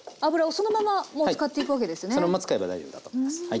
そのまま使えば大丈夫だと思いますはい。